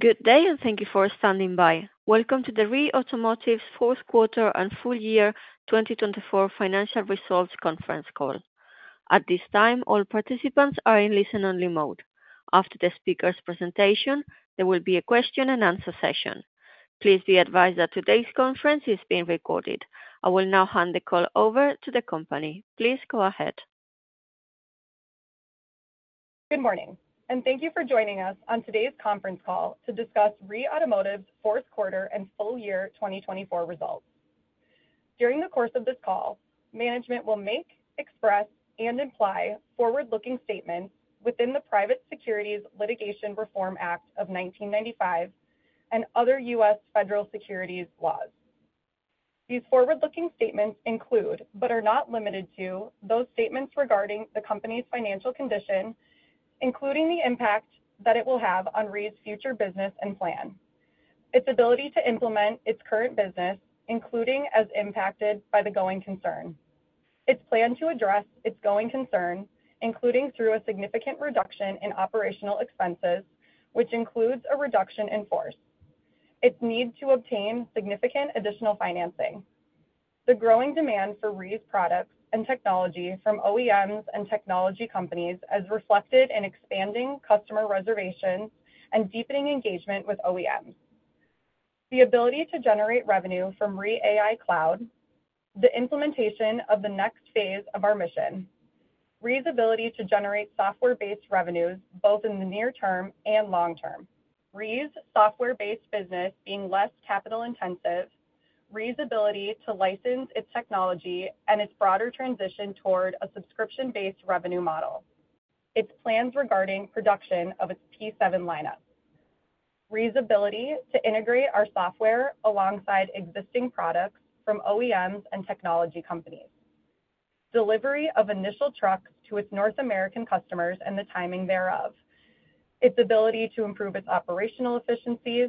Good day, and thank you for standing by. Welcome to the REE Automotive fourth quarter and full-year 2024 financial results conference call. At this time, all participants are in listen-only mode. After the speaker's presentation, there will be a question-and-answer session. Please be advised that today's conference is being recorded. I will now hand the call over to the company. Please go ahead. Good morning, and thank you for joining us on today's conference call to discuss REE Automotive's fourth-quarter and full-year 2024 results. During the course of this call, management will make, express, and imply forward-looking statements within the Private Securities Litigation Reform Act of 1995 and other U.S. federal securities laws. These forward-looking statements include, but are not limited to, statements regarding the company’s financial condition, including the impact that it will have on REE’s future business and plan; its ability to implement its current business, including as impacted by the going concern; its plan to address the going concern through a significant reduction in operational expenses, including a reduction in force; its need to obtain significant additional financing; the growing demand for REE’s products and technology from OEMs and technology companies, as reflected in expanding customer reservations and deepening engagement with OEMs; the ability to generate revenue from REE AI Cloud; the implementation of the next phase of our mission; REE’s ability to generate software-based revenues both in the near term and long term; REE’s software-based business being less capital-intensive; REE’s ability to license its technology and its broader transition toward a subscription-based revenue model; its plans regarding production of its P7 lineup; REE’s ability to integrate its software alongside existing products from OEMs and technology companies; delivery of initial trucks to its North American customers and the timing thereof; and its ability to improve its operational efficiencies;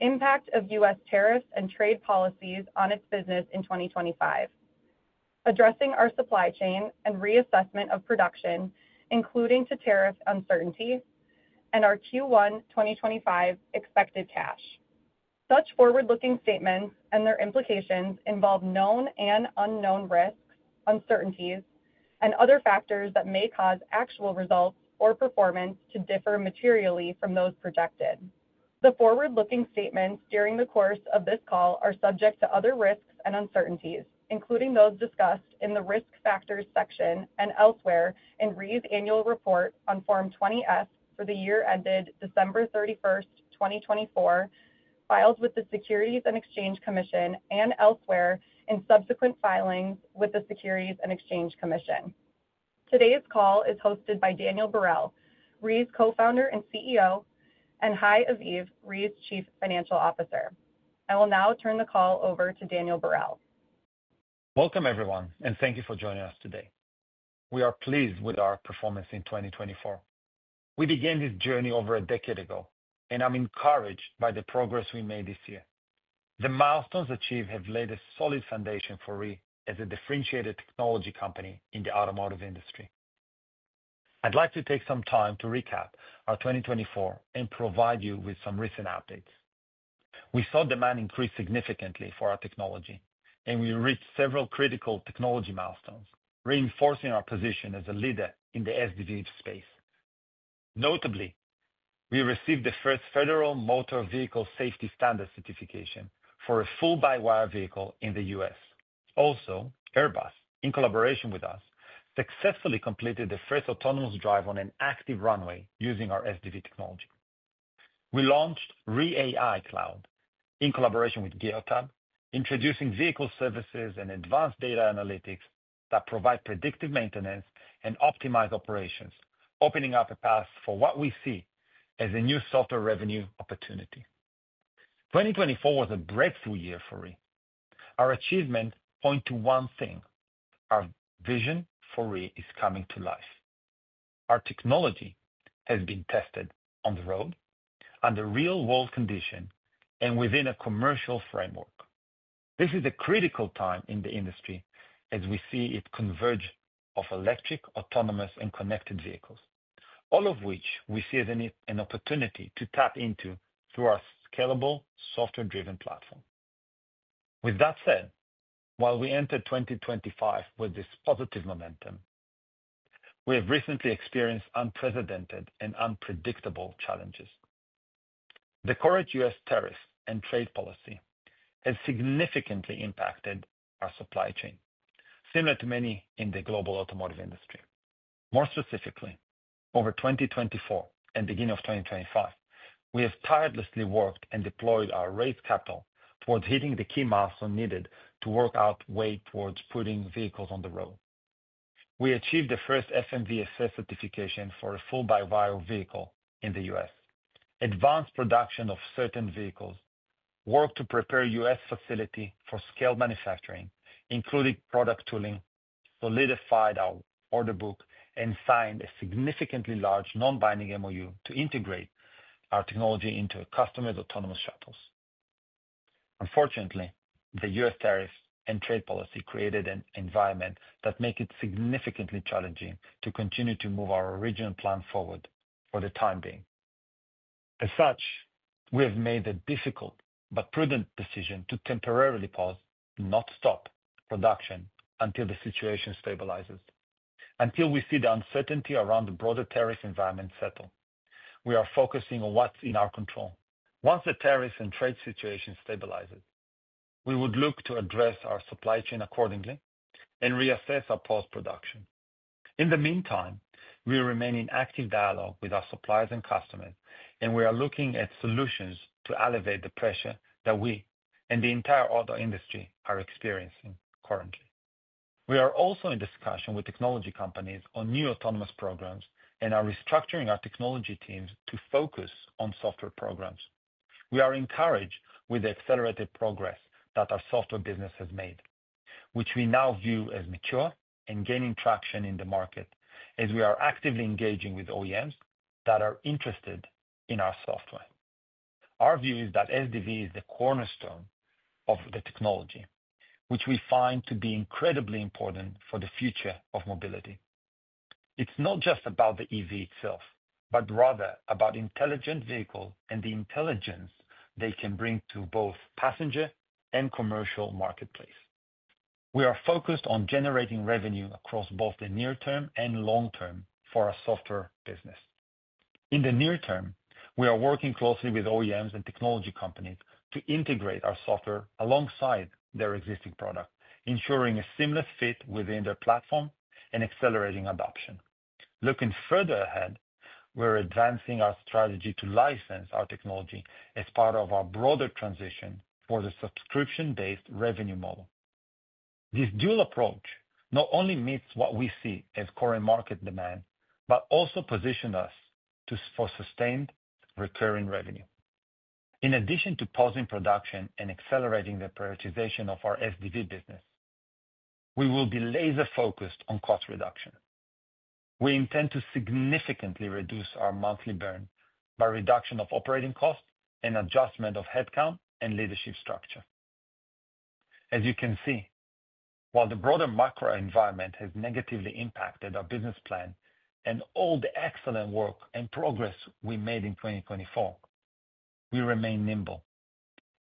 impact of U.S. Tariffs and trade policies on its business in 2025; addressing our supply chain and reassessment of production, including due to tariff uncertainty; and our Q1 2025 expected cash. Such forward-looking statements and their implications involve known and unknown risks, uncertainties, and other factors that may cause actual results or performance to differ materially from those projected. The forward-looking statements during the course of this call are subject to other risks and uncertainties, including those discussed in the risk-factors section and elsewhere in REE’s Annual Report on Form 20-F for the year ended December 31, 2024, filed with the Securities and Exchange Commission, and elsewhere in subsequent filings with the Securities and Exchange Commission. Today’s call is hosted by Daniel Barel, REE’s Co-founder and CEO, and Hai Aviv, REE’s Chief Financial Officer. I will now turn the call over to Daniel Barel. Welcome, everyone, and thank you for joining us today. We are pleased with our performance in 2024. We began this journey over a decade ago, and I’m encouraged by the progress we made this year. The milestones achieved have laid a solid foundation for REE as a differentiated technology company in the automotive industry. I’d like to take some time to recap our 2024 and provide you with some recent updates. We saw demand increase significantly for our technology, and we reached several critical technology milestones, reinforcing our position as a leader in the SDV space. Notably, we received the first Federal Motor Vehicle Safety Standard certification for a full-by-wire vehicle in the U.S. Also, Airbus, in collaboration with us, successfully completed the first autonomous drive on an active runway using our SDV technology. We launched REE AI Cloud in collaboration with Geotab, introducing vehicle services and advanced data analytics that provide predictive maintenance and optimized operations, opening up a path for what we see as a new software revenue opportunity. 2024 was a breakthrough year for REE. Our achievement points to one thing: our vision for REE is coming to life. Our technology has been tested on the road, under real-world conditions, and within a commercial framework. This is a critical time in the industry as we see its convergence of electric, autonomous, and connected vehicles, all of which we see as an opportunity to tap into through our scalable software-driven platform. With that said, while we enter 2025 with this positive momentum, we have recently experienced unprecedented and unpredictable challenges. The current U.S. tariffs and trade policy have significantly impacted our supply chain, similar to many in the global automotive industry. More specifically, over 2024 and the beginning of 2025, we have tirelessly worked and deployed our raised capital towards hitting the key milestones needed to work our way towards putting vehicles on the road. We achieved the first FMVSS certification for a full-body wire vehicle in the U.S. Advanced production of certain vehicles worked to prepare U.S. facilities for scale manufacturing, including product tooling, solidified our order book, and signed a significantly large non-binding MoU to integrate our technology into customers' autonomous shuttles. Unfortunately, the U.S. tariffs and trade policy created an environment that makes it significantly challenging to continue to move our original plan forward for the time being. As such, we have made a difficult but prudent decision to temporarily pause, not stop, production until the situation stabilizes, until we see the uncertainty around the broader tariff environment settle. We are focusing on what's in our control. Once the tariffs and trade situation stabilizes, we would look to address our supply chain accordingly and reassess our post-production. In the meantime, we remain in active dialogue with our suppliers and customers, and we are looking at solutions to alleviate the pressure that we and the entire auto industry are experiencing currently. We are also in discussion with technology companies on new autonomous programs and are restructuring our technology teams to focus on software programs. We are encouraged with the accelerated progress that our software business has made, which we now view as mature and gaining traction in the market as we are actively engaging with OEMs that are interested in our software. Our view is that SDV is the cornerstone of the technology, which we find to be incredibly important for the future of mobility. It's not just about the EV itself, but about intelligent vehicles and the intelligence they can bring to both the passenger and commercial marketplace. We are focused on generating revenue across both the near term and long term for our software business. In the near term, we are working closely with OEMs and technology companies to integrate our software alongside their existing products, ensuring a seamless fit within their platforms and accelerating adoption. Looking further ahead, we are advancing our strategy to license our technology as part of our broader transition to a subscription-based revenue model. This dual approach not only meets current market demand but also positions us for sustained recurring revenue. In addition to pausing production and accelerating the prioritization of our SDV business, we will be laser-focused on cost reduction. We intend to significantly reduce our monthly burn by reduction of operating costs and adjustment of headcount and leadership structure. As you can see, while the broader macro environment has negatively impacted our business plan and all the excellent work and progress we made in 2024, we remain nimble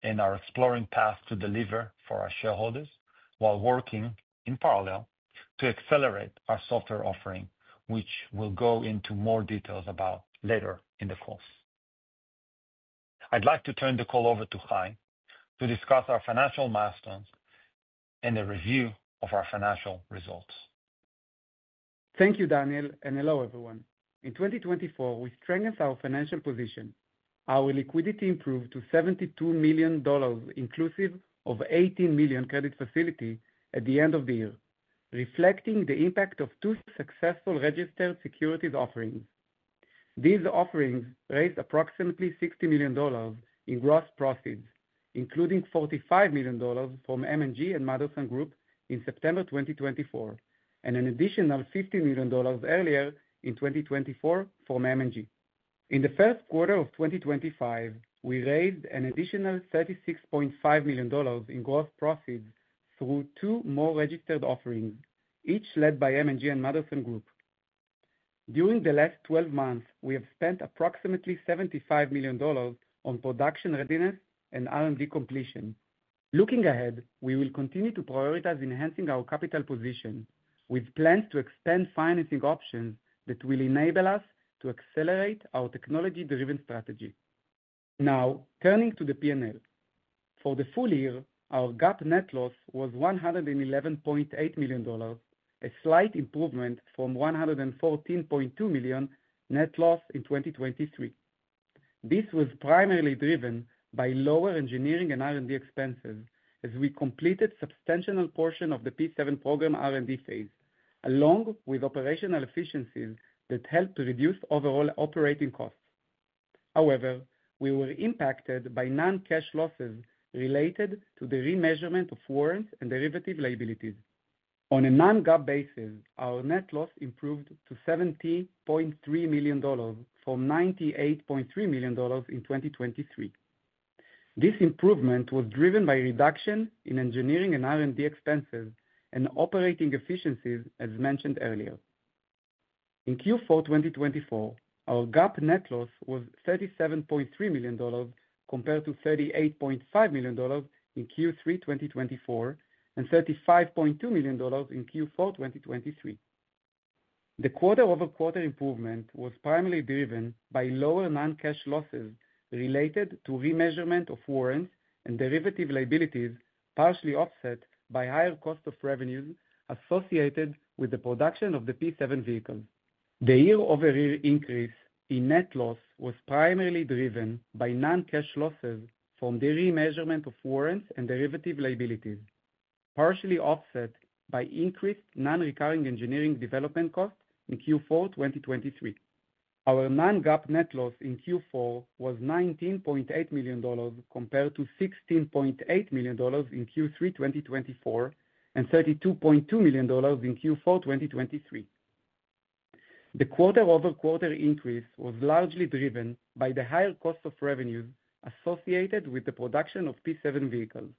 in our exploring path to deliver for our shareholders while working in parallel to accelerate our software offering, which we'll go into more details about later in the course. I'd like to turn the call over to Hai to discuss our financial milestones and a review of our financial results. Thank you, Daniel, and hello, everyone. In 2024, we strengthened our financial position. Our liquidity improved to $72 million inclusive of $18 million credit facility at the end of the year, reflecting the impact of two successful registered securities offerings. These offerings raised approximately $60 million in gross profits, including $45 million from M&G and Madison Group in September 2024, and an additional $50 million earlier in 2024 from M&G. In the first quarter of 2025, we raised an additional $36.5 million in gross profits through two more registered offerings, each led by M&G and Madison Group. During the last 12 months, we have spent approximately $75 million on production readiness and R&D completion. Looking ahead, we will continue to prioritize enhancing our capital position, with plans to expand financing options that will enable us to accelerate our technology-driven strategy. Now, turning to the P&L. For the full year, our GAAP net loss was $111.8 million, a slight improvement from $114.2 million net loss in 2023. This was primarily driven by lower engineering and R&D expenses as we completed a substantial portion of the P7 program R&D phase, along with operational efficiencies that helped reduce overall operating costs. However, we were impacted by non-cash losses related to the remeasurement of warrants and derivative liabilities. On a non-GAAP basis, our net loss improved to $70.3 million from $98.3 million in 2023. This improvement was driven by a reduction in engineering and R&D expenses and operating efficiencies, as mentioned earlier. In Q4 2024, our GAAP net loss was $37.3 million compared to $38.5 million in Q3 2024 and $35.2 million in Q4 2023. The quarter-over-quarter improvement was primarily driven by lower non-cash losses related to remeasurement of warrants and derivative liabilities, partially offset by higher cost of revenues associated with the production of the P7 vehicles. The year-over-year increase in net loss was primarily driven by non-cash losses from the remeasurement of warrants and derivative liabilities, partially offset by increased non-recurring engineering development costs in Q4 2023. Our non-GAAP net loss in Q4 was $19.8 million compared to $16.8 million in Q3 2024 and $32.2 million in Q4 2023. The quarter-over-quarter increase was largely driven by the higher cost of revenues associated with the production of P7 vehicles.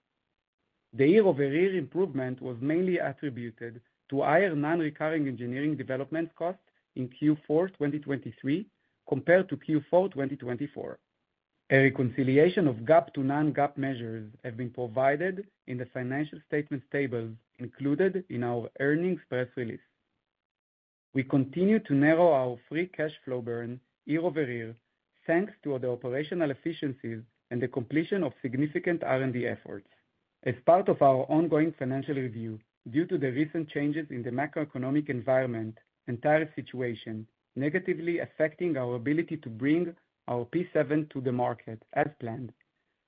The year-over-year improvement was mainly attributed to higher non-recurring engineering development costs in Q4 2023 compared to Q4 2024. A reconciliation of GAAP to non-GAAP measures has been provided in the financial statements tables included in our earnings press release. We continue to narrow our free cash flow burn year-over-year thanks to the operational efficiencies and the completion of significant R&D efforts. As part of our ongoing financial review, due to the recent changes in the macroeconomic environment and tariff situation negatively affecting our ability to bring our P7 to the market as planned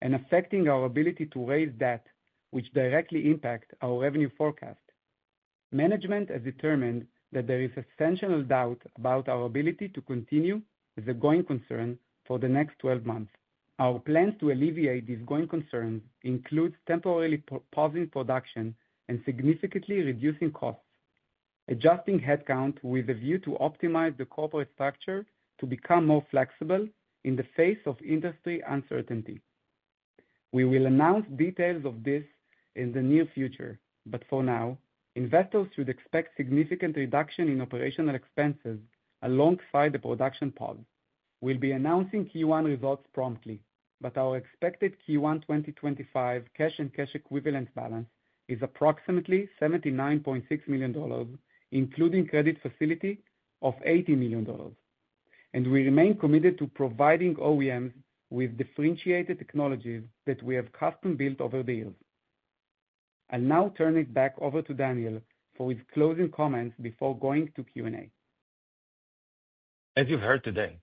and affecting our ability to raise debt, which directly impacts our revenue forecast, management has determined that there is a substantial doubt about our ability to continue the going concern for the next 12 months. Our plans to alleviate these going concerns include temporarily pausing production and significantly reducing costs, adjusting headcount with a view to optimize the corporate structure to become more flexible in the face of industry uncertainty. We will announce details of this in the near future, but for now, investors should expect a significant reduction in operational expenses alongside the production pause. We'll be announcing Q1 results promptly, but our expected Q1 2025 cash and cash equivalent balance is approximately $79.6 million, including credit facility, of $80 million, and we remain committed to providing OEMs with differentiated technologies that we have custom-built over the years. I'll now turn it back over to Daniel for his closing comments before going to Q&A. As you've heard today,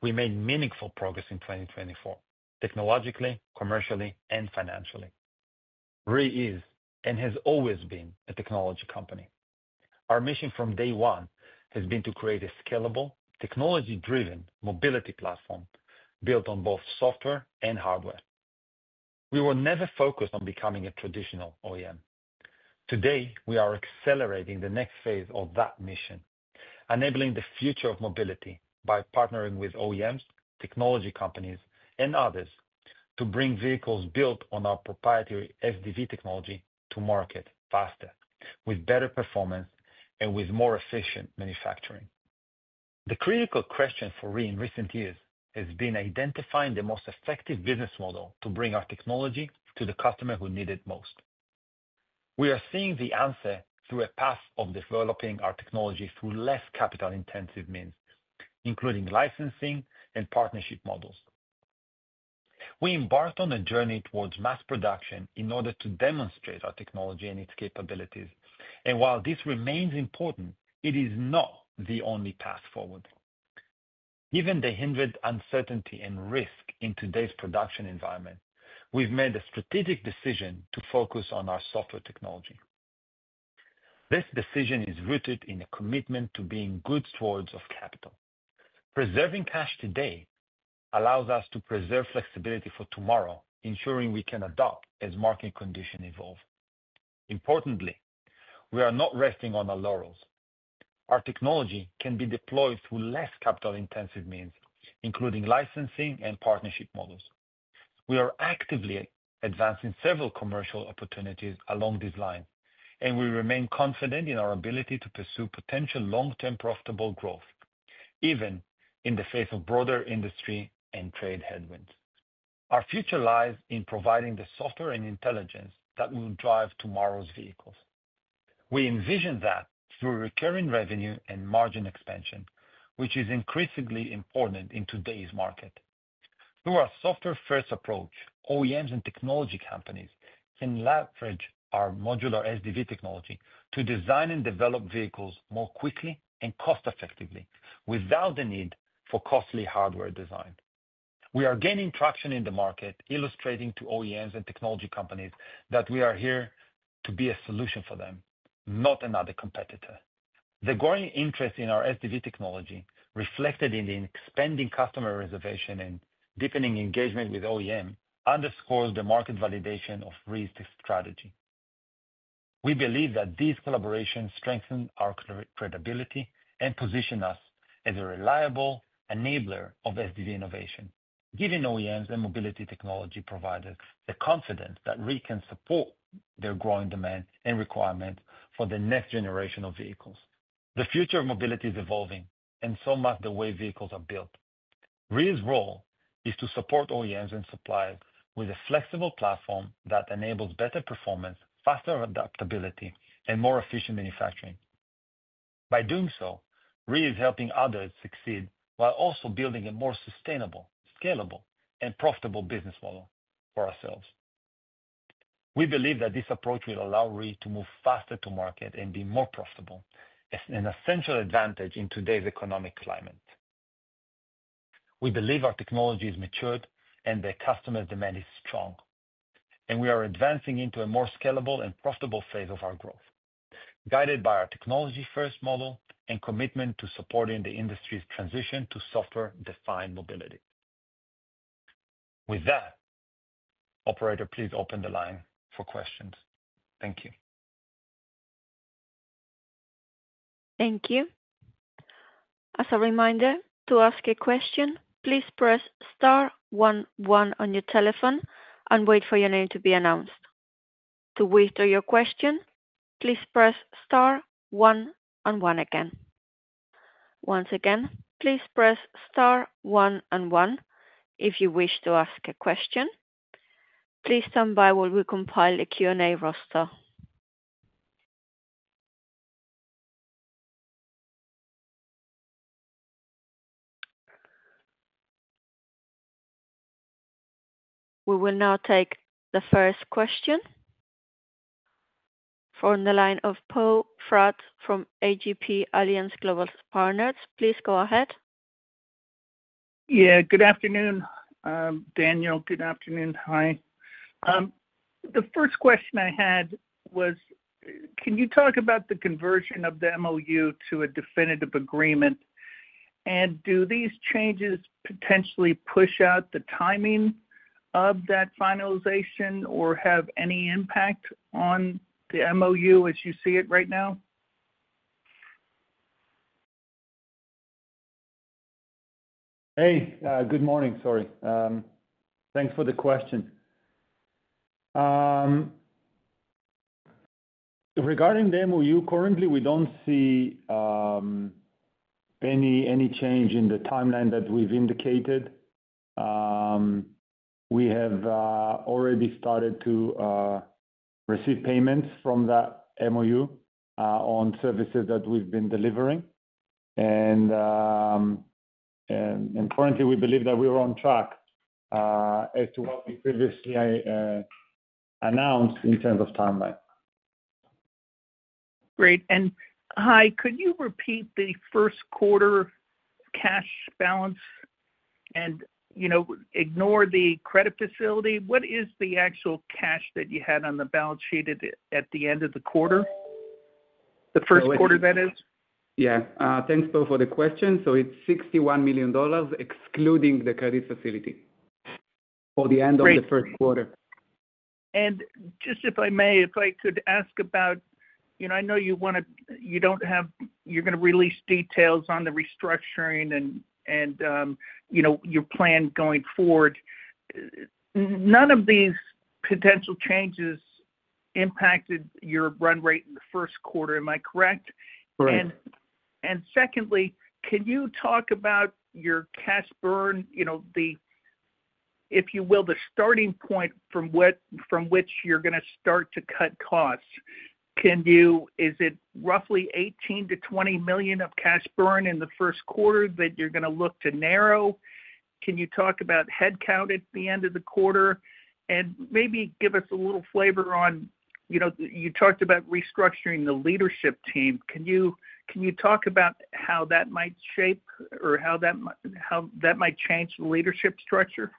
we made meaningful progress in 2024, technologically, commercially, and financially. REE is and has always been a technology company. Our mission from day one has been to create a scalable, technology-driven mobility platform built on both software and hardware. We were never focused on becoming a traditional OEM. Today, we are accelerating the next phase of that mission, enabling the future of mobility by partnering with OEMs, technology companies, and others to bring vehicles built on our proprietary SDV technology to market faster, with better performance and with more efficient manufacturing. The critical question for REE in recent years has been identifying the most effective business model to bring our technology to the customer who needs it most. We are seeing the answer through a path of developing our technology through less capital-intensive means, including licensing and partnership models. We embarked on a journey toward mass production to demonstrate our technology and its capabilities. While this remains important, it is not the only path forward. Given the heightened uncertainty and risk in today’s production environment, we have made a strategic decision to focus on our software technology. This decision is rooted in a commitment to being good stewards of capital. Preserving cash today allows us to maintain flexibility for tomorrow, ensuring we can adapt as market conditions evolve. Importantly, we are not resting on our laurels. Our technology can be deployed through less capital-intensive means, including licensing and partnership models. We are actively advancing several commercial opportunities along these lines and remain confident in our ability to pursue potential long-term profitable growth, even amid broader industry and trade headwinds. Our future lies in providing the software and intelligence that will drive tomorrow’s vehicles. We envision growth through recurring revenue and margin expansion, which is increasingly important in today’s market. Through our software-first approach, OEMs and technology companies can leverage our modular SDV technology to design and develop vehicles more quickly and cost-effectively without costly hardware design. We are gaining traction in the market, illustrating to OEMs and technology companies that we are here as a solution for them, not as another competitor. The growing interest in our SDV technology, reflected in expanding customer reservations and deepening engagement with OEMs, underscores the market validation of REE’s strategy. We believe these collaborations strengthen our credibility and position us as a reliable enabler of SDV innovation, giving OEMs and mobility technology providers confidence that REE can support their growing demand and requirements for the next generation of vehicles. The future of mobility is evolving, and so must the way vehicles are built. REE's role is to support OEMs and suppliers with a flexible platform that enables better performance, faster adaptability, and more efficient manufacturing. By doing so, REE is helping others succeed while also building a more sustainable, scalable, and profitable business model for ourselves. We believe that this approach will allow REE to move faster to market and be more profitable, an essential advantage in today's economic climate. We believe our technology is matured and that customer demand is strong, and we are advancing into a more scalable and profitable phase of our growth, guided by our technology-first model and commitment to supporting the industry's transition to software-defined mobility. With that, operator, please open the line for questions. Thank you. Thank you. As a reminder, to ask a question, please press star one one on your telephone and wait for your name to be announced. To withdraw your question, please press star one one again. Once again, press star one one if you wish to ask a question. Please stand by while we compile the Q&A roster. We will now take the first question from Paul Fratt of AGP Alliance Global Partners. Please go ahead. Yeah, good afternoon. Daniel, good afternoon. Hi. The first question I had was, can you talk about the conversion of the MoU to a definitive agreement? And do these changes potentially push out the timing of that finalization or have any impact on the MoU as you see it right now? Hey, good morning. Thanks for the question. Regarding the MOU, currently, we do not see any change in the timeline that we have indicated. We have already started to receive payments from that MOU on services that we have been delivering. Currently, we believe that we are on track as to what we previously announced in terms of timeline. Great. Hi, could you repeat the first quarter cash balance and ignore the credit facility? What is the actual cash that you had on the balance sheet at the end of the quarter, the first quarter, that is? Thank you for the question. The cash balance at the end of the first quarter was $61 million, excluding the credit facility. If I may, I would like to ask about the restructuring and your plan going forward. None of these potential changes impacted your run rate in the first quarter, correct? Correct. Secondly, can you talk about your cash burn, the starting point from which you plan to cut costs? Is it roughly $18–$20 million of cash burn in the first quarter that you aim to reduce? Can you also discuss headcount at the end of the quarter? Additionally, regarding the restructuring of the leadership team, can you explain how that might shape or change the leadership structure?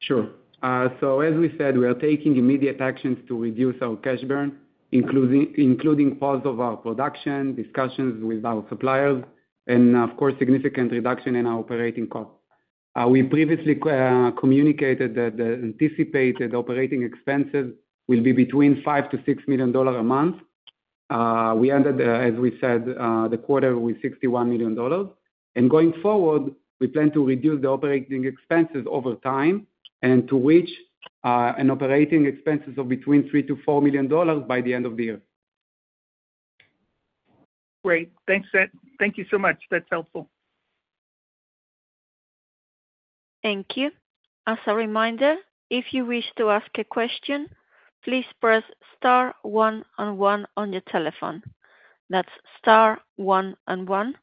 Sure. As we mentioned, we are taking immediate actions to reduce our cash burn, including pausing production, engaging in discussions with our suppliers, and significantly reducing operating costs. We previously communicated that anticipated operating expenses would be between $5–$6 million per month. We ended the quarter with $61 million. Going forward, we plan to reduce operating expenses over time, targeting $3–$4 million per month by the end of the year. Great. Thanks. Thank you. That's very helpful. Thank you. As a reminder, to ask a question, please press *11 on your telephone. Press *11 again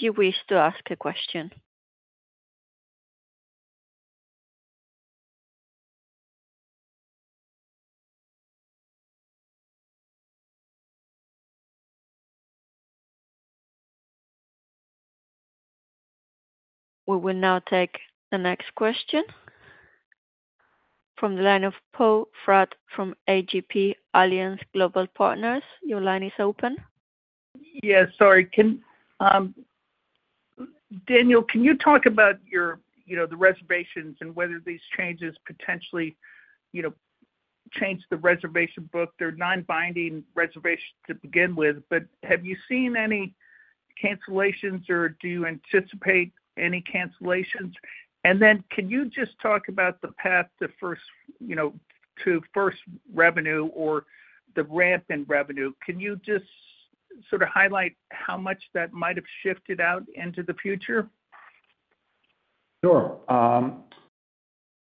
to withdraw your question. We will now take the next question from Paul Fratt of AGP Alliance Global Partners. Your line is open. Yes. sorry. Daniel, can you discuss the reservations and whether these changes might affect the reservation book? While these are non-binding reservations, have you seen any cancellations, or do you anticipate any? Can you also explain the path to first revenue and the revenue ramp, and highlight if these timelines may have shifted. Sure.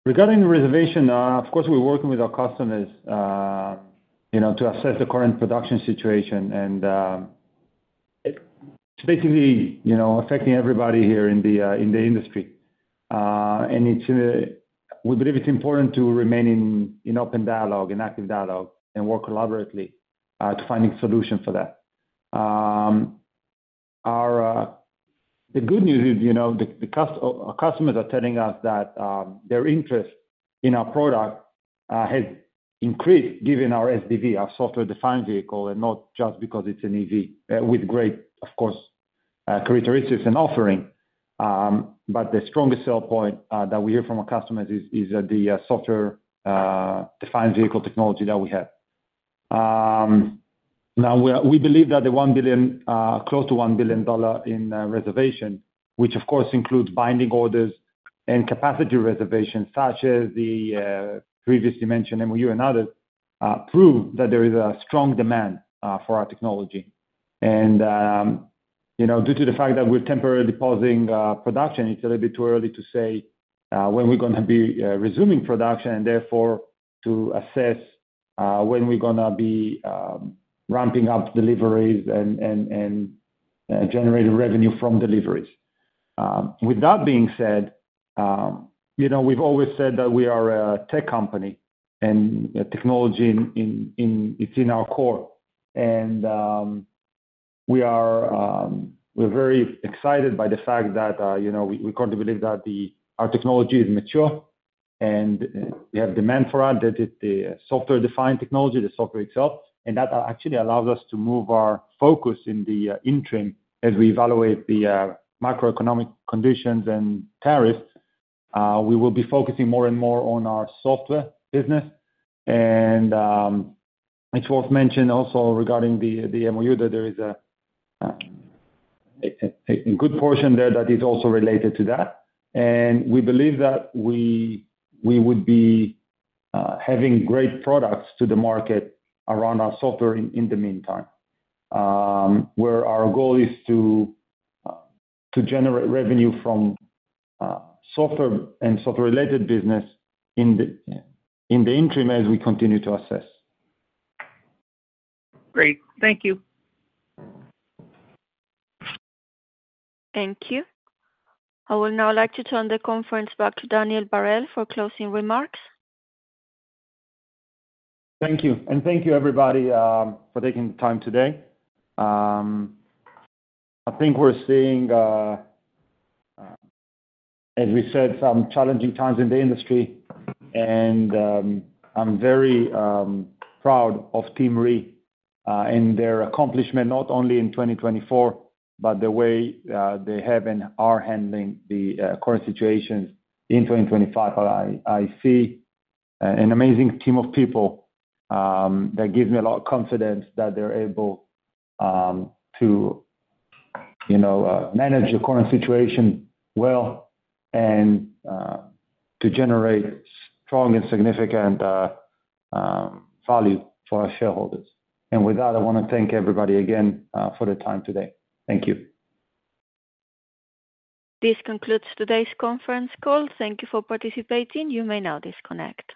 Regarding the reservations, we are working with our customers to assess the current production situation, which is affecting everyone in the industry. We believe it’s important to maintain open and active dialogue and collaborate to find solutions. The good news is that customers have expressed increased interest in our products, driven by our SDV software-defined vehicle technology, not just because it’s an EV with strong characteristics. The strongest selling point customers highlight is our software-defined vehicle technology. We believe that nearly $1 billion in reservations, including binding orders and capacity reservations such as the previously mentioned MoU and others, demonstrates strong demand for our technology. Due to the fact that we're temporarily pausing production, it's a little bit too early to say when we're going to be resuming production and therefore to assess when we're going to be ramping up deliveries and generating revenue from deliveries. With that being said, we've always said that we are a tech company, and technology is in our core. We are very excited by the fact that we currently believe that our technology is mature and we have demand for it, the software-defined technology, the software itself. That actually allows us to move our focus in the interim as we evaluate the macroeconomic conditions and tariffs. We will be focusing more and more on our software business. It's worth mentioning also regarding the MoU that there is a good portion there that is also related to that. We believe that we would be having great products to the market around our software in the meantime, where our goal is to generate revenue from software and software-related business in the interim as we continue to assess. Great. Thank you. Thank you. I would now like to turn the conference back to Daniel Barel for closing remarks. Thank you. Thank you, everybody, for taking the time today. I think we're seeing, as we said, some challenging times in the industry. I'm very proud of Team REE and their accomplishment, not only in 2024, but the way they have and are handling the current situations in 2025. I see an amazing team of people that gives me a lot of confidence that they're able to manage the current situation well and to generate strong and significant value for our shareholders. With that, I want to thank everybody again for their time today. Thank you. This concludes today's conference call. Thank you for participating. You may now disconnect.